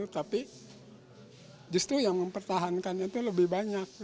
tapi justru yang mempertahankan itu lebih banyak